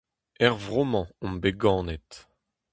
Er vro-mañ omp bet ganet !